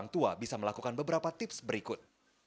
kita melakukan beberapa tips berikut